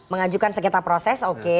mengajukan sengketa proses oke